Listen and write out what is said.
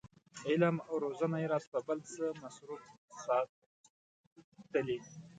علم او روزنه یې راته په بل څه مصروف ساتلي.